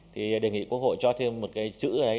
thì đề nghị quốc hội cho thêm một cái chữ ấy